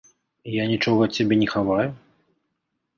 Я нічога ад цябе не хаваю.